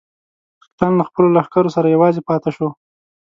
سلطان له خپلو لښکرو سره یوازې پاته شو.